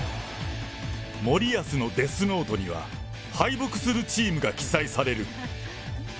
森保のデスノートには、敗北するチームが記載される。